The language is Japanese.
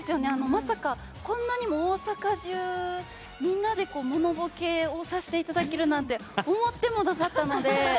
まさかこんなにも大阪中みんなで物ぼけをさせていただけるなんて思ってもなかったので。